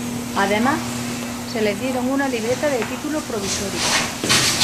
Además se les dieron una libreta de título provisorio.